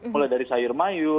mulai dari sayur mayu